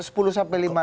sepuluh sampai lima